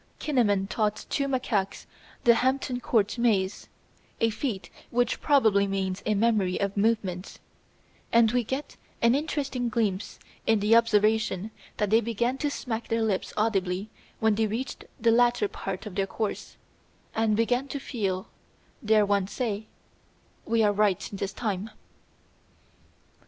Kinnaman taught two macaques the Hampton Court Maze, a feat which probably means a memory of movements, and we get an interesting glimpse in his observation that they began to smack their lips audibly when they reached the latter part of their course, and began to feel, dare one say, "We are right this time."